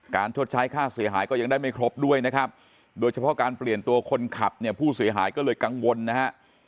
ชดใช้ค่าเสียหายก็ยังได้ไม่ครบด้วยนะครับโดยเฉพาะการเปลี่ยนตัวคนขับเนี่ยผู้เสียหายก็เลยกังวลนะฮะ